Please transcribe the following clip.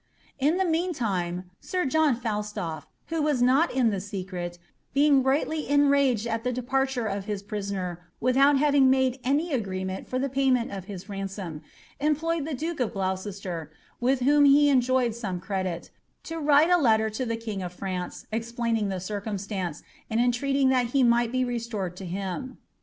In the meantime sir John Falstolf, who was not in the secret, being greatly enraged at the departure of his prisoner without having made any agreement for the payment o{ his ransom, employed the duke of Glouceater, with whom he enjoyed some credit, to write a letter to the king of France, explaining the circumstance, and entreating that he might be reatored to him.